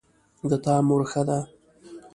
د تا مور ښه ده